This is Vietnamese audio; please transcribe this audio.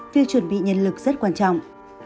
việc chuẩn bị nhân lực rất quan trọng